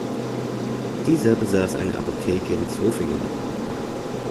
Dieser besass eine Apotheke in Zofingen.